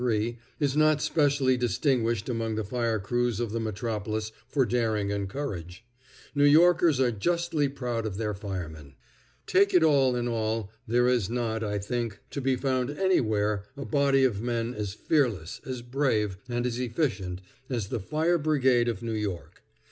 3 is not specially distinguished among the fire crews of the metropolis for daring and courage. New Yorkers are justly proud of their firemen. Take it all in all, there is not, I think, to be found anywhere a body of men as fearless, as brave, and as efficient as the Fire Brigade of New York.